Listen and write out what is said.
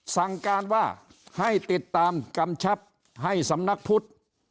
สั่งการว่าให้ติดตามกำชับให้สำนักพุทธ